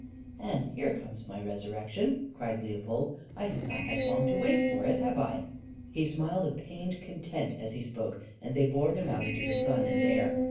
"And here comes my resurrection!" cried Leopold. "I have not had long to wait for it have I?" He smiled a pained content as he spoke, and they bore him out into the sun and air.